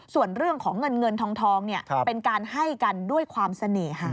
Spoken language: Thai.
ส่วนเรื่องของเงินเงินทองเป็นการให้กันด้วยความเสน่หา